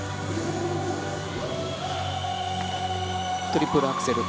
トリプルアクセル。